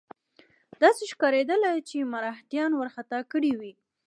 داسې ښکارېدله چې مرهټیان وارخطا کړي وي.